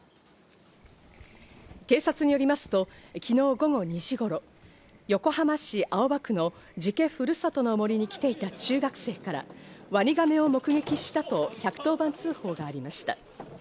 警察によりますと昨日午後２時頃、横浜市青葉区の寺家ふるさとの森に来ていた中学生から、ワニガメを目撃したと１１０番通報がありました。